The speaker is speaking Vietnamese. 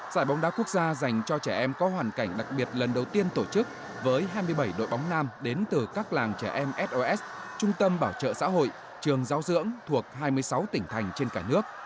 giải bóng đá quốc gia dành cho trẻ em có hoàn cảnh đặc biệt lần đầu tiên tổ chức với hai mươi bảy đội bóng nam đến từ các làng trẻ em sos trung tâm bảo trợ xã hội trường giáo dưỡng thuộc hai mươi sáu tỉnh thành trên cả nước